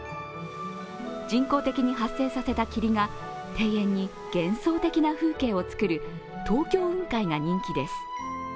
人工的に発生させた霧が庭園に幻想的な風景を作る東京雲海が人気です。